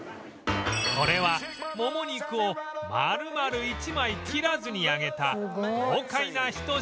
これはモモ肉を丸々１枚切らずに揚げた豪快なひと品